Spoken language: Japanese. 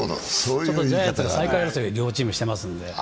ちょっとジャイアンツが、最下位争いを両チームでしていますので。